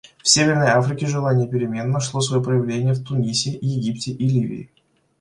В Северной Африке желание перемен нашло свое проявление в Тунисе, Египте и Ливии.